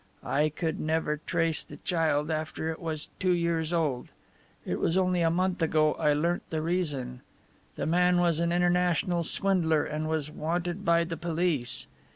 I could never trace the child after it was two years old. It was only a month ago I learnt the reason. The man was an international swindler and was wanted by the police.